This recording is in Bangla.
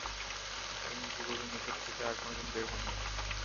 তিনি ইতিপূর্বে মিসর থেকে আর কোনদিন বের হননি।